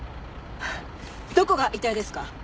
どこが痛いですか？